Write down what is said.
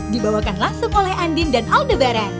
dibawakan langsung oleh andin dan aldebaran